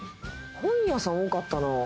本屋さん、多かったなあ。